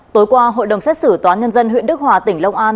tối qua hội đồng xét xử toán nhân dân huyện đức hòa tỉnh lông an